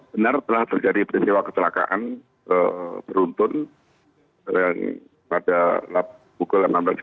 benar telah terjadi peristiwa kecelakaan beruntun pada pukul delapan belas tiga puluh